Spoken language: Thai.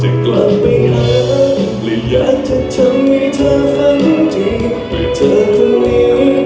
จะกลับไปหาและอยากจะทำให้เธอฟังดี